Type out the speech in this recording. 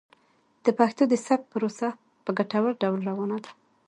د پښتو د ثبت پروسه په ګټور ډول روانه ده.